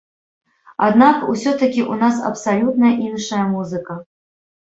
Аднак усё-такі ў нас абсалютна іншая музыка!